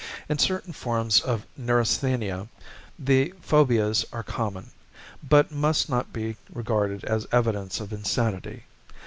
In certain forms of neurasthenia, the 'phobias' are common, but must not be regarded as evidence of insanity.